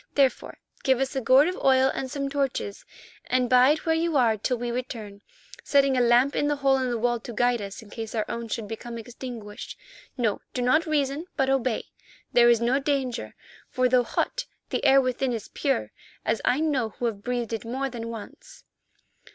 Therefore give us a gourd of oil and some torches and bide where you are till we return, setting a lamp in the hole in the wall to guide us in case our own should become extinguished. No, do not reason but obey. There is no danger, for though hot, the air within is pure, as I know who have breathed it more than once."